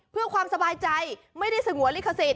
เพื่อความสบายใจไม่ได้สงวนลิขสิท